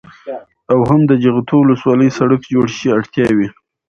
او هم د جغتو ولسوالۍ سړك جوړ شي. اړتياوې: